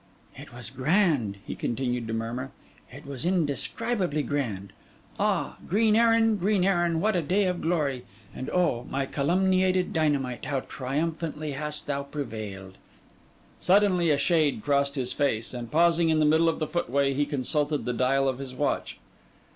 'It was grand,' he continued to murmur: 'it was indescribably grand. Ah, green Erin, green Erin, what a day of glory! and oh, my calumniated dynamite, how triumphantly hast thou prevailed!' Suddenly a shade crossed his face; and pausing in the middle of the footway, he consulted the dial of his watch.